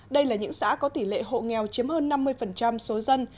đây là những xã có tỷ lệ hộ nghèo chiếm hơn năm mươi số dân